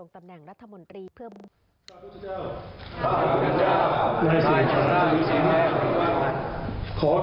ข้าพระพุทธเจ้าข้าพระพุทธเจ้านายเศรษฐาทวีสินแม่ของพระบาท